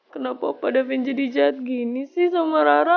kenapa opa davin jadi jahat gini sih sama rara